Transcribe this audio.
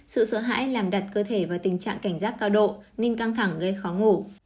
sự sợ hãi làm đặt cơ thể vào tình trạng cảnh giác cao độ nên căng thẳng gây khó ngủ